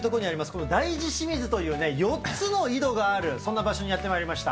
この大慈清水というね、４つの井戸がある、そんな場所にやってまいりました。